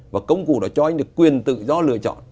và công cụ đó cho anh được quyền tự do lựa chọn